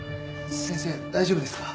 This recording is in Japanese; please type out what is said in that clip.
先生大丈夫ですか？